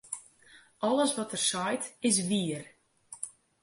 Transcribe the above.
Alles wat er seit, is wier.